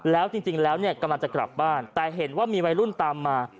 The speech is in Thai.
แล้วจริงแล้วเนี่ยกำลังจะกลับบ้านแต่เห็นว่ามีวัยรุ่นตามมา